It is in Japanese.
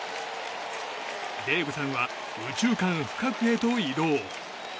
デイブさんは右中間深くへと移動。